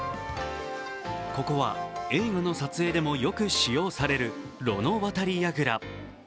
ここは映画の撮影でもよく使用されるロの渡櫓。